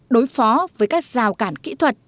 đối phó với các rào cản kỹ thuật